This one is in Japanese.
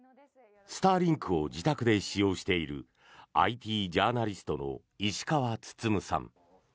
スターリンクを自宅で使用しているＩＴジャーナリストの石川温さん。